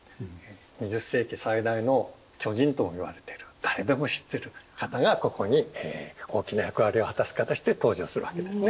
２０世紀最大の巨人と言われてる誰でも知ってる方がここに大きな役割を果たす形で登場するわけですね。